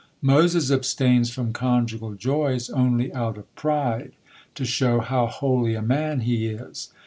Moses abstains from conjugal joys only out of pride, to show how holy a man he is."